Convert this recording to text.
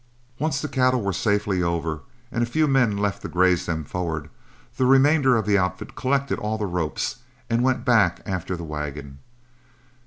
Once the cattle were safely over and a few men left to graze them forward, the remainder of the outfit collected all the ropes and went back after the wagon.